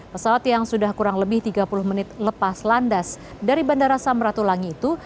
pesawat yang sudah kurang lebih tiga puluh menit lepas landas dari bandara samratulangi itu